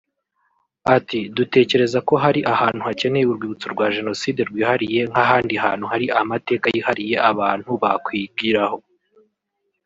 Ati “Dutekereza ko hari ahantu hakeneye Urwibutso rwa Jenoside rwihariye nk’ahandi hantu hari amateka yihariye abantu bakwigiraho